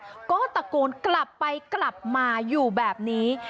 ตลางชาติก็ตะโกนกลับไปมาอยู่แบบนี้